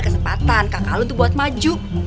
kesempatan kakak lu tuh buat maju